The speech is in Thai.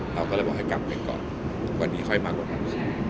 เราก็เลยบอกให้กลับไปก่อนวันนี้ค่อยมากกว่านั้น